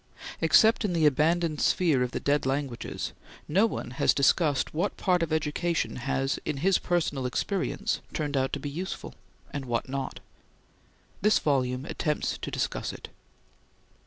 Except in the abandoned sphere of the dead languages, no one has discussed what part of education has, in his personal experience, turned out to be useful, and what not. This volume attempts to discuss it.